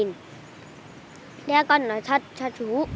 thế con nói thật cho chú